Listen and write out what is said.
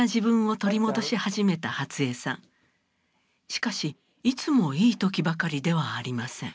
しかしいつもいい時ばかりではありません。